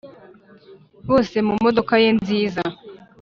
bose mumodoka ye nziza